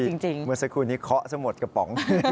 เมื่อสักครู่นี้เคาะสะหมดกระป๋อง